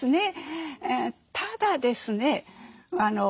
ただですね